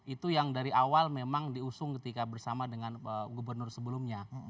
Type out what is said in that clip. itu yang dari awal memang diusung ketika bersama dengan gubernur sebelumnya